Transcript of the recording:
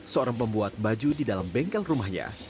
seorang pembuat baju di dalam bengkel rumahnya